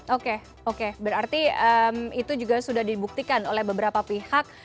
oke oke berarti itu juga sudah dibuktikan oleh beberapa pihak